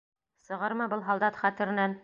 Сығырмы был һалдат хәтеренән?!